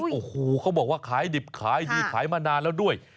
โอ้โหเขาบอกว่าขายดิบขายดีขายมานานแล้วด้วย